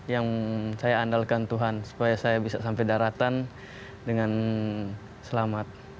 yang saya andalkan tuhan supaya saya bisa sampai daratan dengan selamat